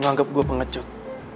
nganggep gue pengecut